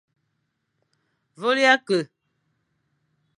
Vôlge ke, va vite.